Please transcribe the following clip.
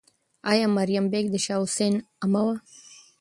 آیا مریم بیګم د شاه حسین عمه وه؟